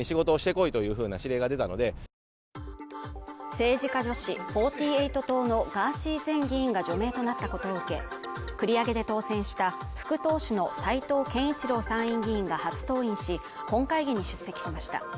政治家女子４８党のガーシー前議員が除名となったことを受け、繰り上げで当選した副党首の斉藤健一郎参院議員が初登院し、本会議に出席しました。